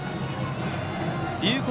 龍谷